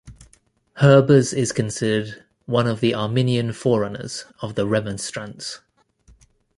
Herbers is considered one of the Arminian forerunners of the Remonstrants.